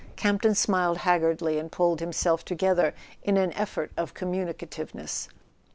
Campton smiled haggardly and pulled himself to¬ gether in an effort of communicativeness.